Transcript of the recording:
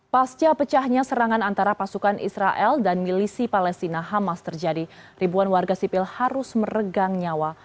pasca pecahnya serangan antara pasukan israel dan milisi palestina hamas terjadi ribuan warga sipil harus meregang nyawa